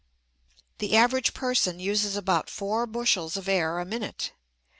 The average person uses about four bushels of air a minute.